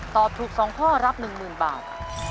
ตอบถูก๒ข้อรับ๑๐๐๐บาท